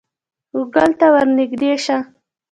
_ګول ته ور نږدې شه.